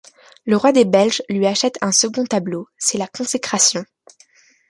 Le Roi des Belges lui achète un second tableau, c'est la consécration.